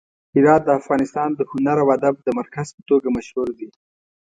هرات د افغانستان د هنر او ادب د مرکز په توګه مشهور دی.